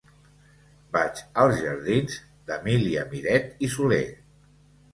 Vaig als jardins d'Emília Miret i Soler.